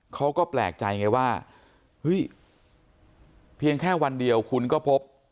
เขาก็แปลกใจไงว่าเฮ้ยเพียงแค่วันเดียวคุณก็พบ